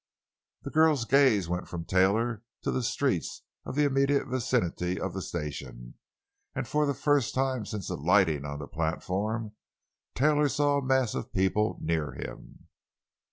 The girl's gaze went from Taylor to the street in the immediate vicinity of the station, and for the first time since alighting on the platform Taylor saw a mass of people near him.